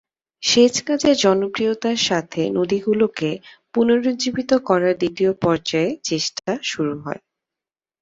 সেচ কাজের জনপ্রিয়তার সাথে নদীগুলিকে পুনরুজ্জীবিত করার দ্বিতীয় পর্যায়ের চেষ্টা শুরু হয়।